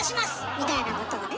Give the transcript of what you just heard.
みたいなことをね。